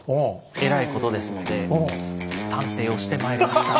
えらいことですので探偵をしてまいりました。